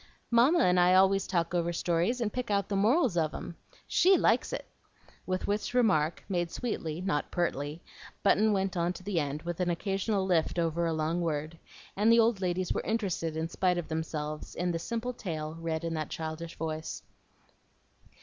"Mamma and I always talk over stories, and pick out the morals of 'em. SHE likes it;" with which remark, made sweetly not pertly, Button went on to the end, with an occasional lift over a long word; and the old ladies were interested, in spite of themselves, in the simple tale read in that childish voice.